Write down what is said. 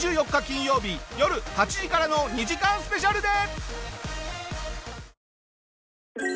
金曜日よる８時からの２時間スペシャルで！